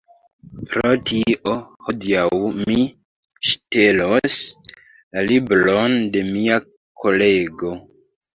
Pro tio, hodiaŭ mi ŝtelos la libron de mia kolego